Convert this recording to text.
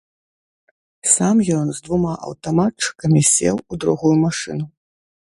Сам ён з двума аўтаматчыкамі сеў у другую машыну.